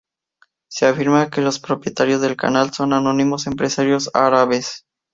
Se afirma que los propietarios del canal son anónimos empresarios árabes.